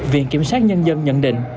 viện kiểm soát nhân dân nhận định